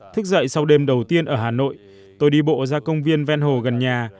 thức dậy sau đêm đầu tiên ở hà nội tôi đi bộ ra công viên venho gần nhà